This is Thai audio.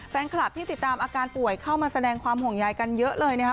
แฟนคลับที่ติดตามอาการป่วยเข้ามาแสดงความห่วงใยกันเยอะเลยนะครับ